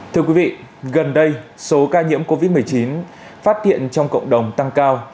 thưa quý vị gần đây số ca nhiễm covid một mươi chín phát hiện trong cộng đồng tăng cao